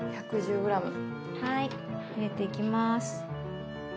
はい入れていきます。